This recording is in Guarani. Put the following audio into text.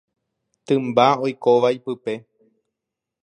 Tymba oikóva ipype.